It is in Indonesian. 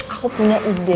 aku punya ide